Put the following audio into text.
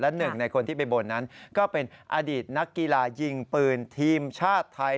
หนึ่งในคนที่ไปบนนั้นก็เป็นอดีตนักกีฬายิงปืนทีมชาติไทย